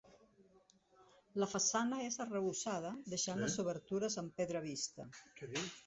La façana és arrebossada deixant les obertures amb pedra vista.